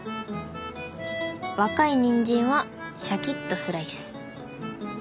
若いニンジンはシャキッとスライス。